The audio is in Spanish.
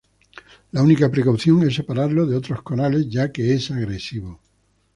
La única precaución es separarlo de otros corales ya que es agresivo.